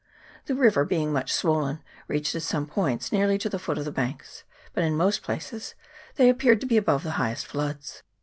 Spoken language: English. The river, being much swollen, reached at some points nearly to the foot of the banks, but in most places they appeared to be above the highest floods.